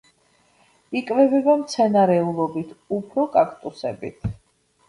იკვებება მცენარეულობით, უფრო კაქტუსებით.